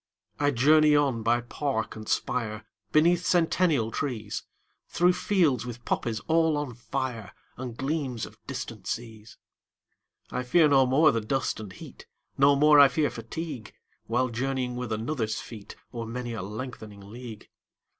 20 I journey on by park and spire, Beneath centennial trees, Through fields with poppies all on fire, And gleams of distant seas. I fear no more the dust and heat, 25 No more I fear fatigue, While journeying with another's feet O'er many a lengthening league.